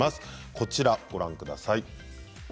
こちらご覧下さい。